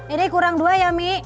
ini kurang dua ya mi